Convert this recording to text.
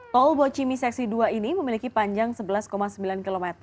tol bocimi seksi dua ini memiliki panjang sebelas sembilan km